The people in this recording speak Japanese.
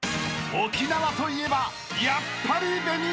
［沖縄といえばやっぱり］